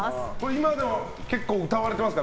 今でも結構、歌われてますか？